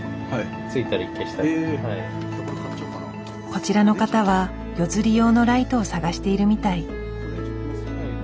こちらの方は夜釣り用のライトを探しているみたい。